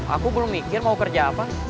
aku belum mikir mau kerja apa